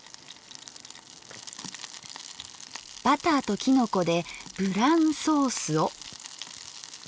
バターときのこでブランソースを。